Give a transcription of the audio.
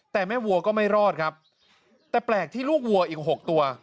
แต่แม่วัวก็ไม่รอดครับแต่แปลกที่ลูกวัวอีกหกตัว